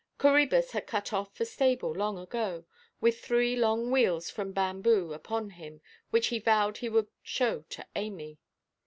Coræbus had cut off for stable long ago, with three long weals from bamboo upon him, which he vowed he would show to Amy.